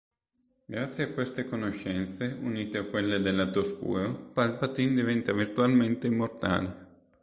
Grazie a queste conoscenze, unite a quelle del Lato Oscuro, Palpatine diventa virtualmente immortale.